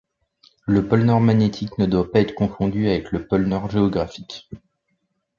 Le pôle Nord magnétique ne doit pas être confondu avec le pôle Nord géographique.